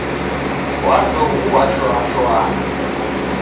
Wazoghua shwa shwa